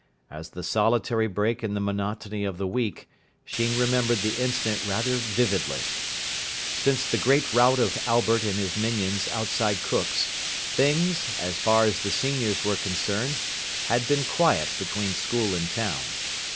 As the solitary break in the monotony of the week, Sheen remembered the incident rather vividly. Since the great rout of Albert and his minions outside Cook's, things, as far as the seniors were concerned, had been quiet between school and town.